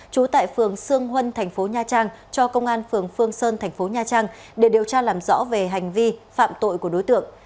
trú tại phường sương huân tp nha trang cho công an phường phương sơn tp nha trang để điều tra làm rõ về hành vi phạm tội của đối tượng